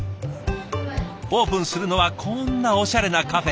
オープンするのはこんなおしゃれなカフェ。